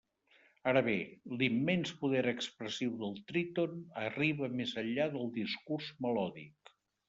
Ara bé: l'immens poder expressiu del tríton arriba més enllà del discurs melòdic.